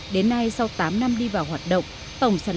đến nay sau tám năm đi vào hoạt động tổng sản lượng